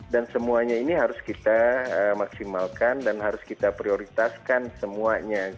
dan semuanya ini harus kita maksimalkan dan harus kita prioritaskan semuanya